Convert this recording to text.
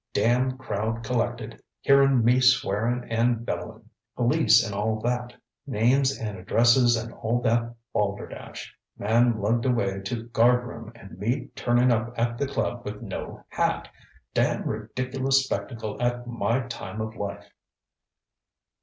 Damn crowd collected, hearin' me swearin' and bellowin'. Police and all that; names an' addresses and all that balderdash. Man lugged away to guard room and me turnin' up at the club with no hat. Damn ridiculous spectacle at my time of life.